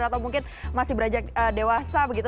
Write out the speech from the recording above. atau mungkin masih beranjak dewasa begitu